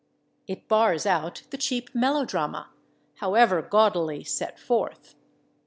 It bars out the cheap melodrama, however gaudily set forth.